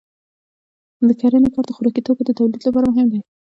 د کرنې کار د خوراکي توکو د تولید لپاره مهم دی.